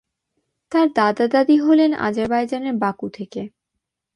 তাঁর দাদা-দাদি হলেন আজারবাইজানের বাকু থেকে।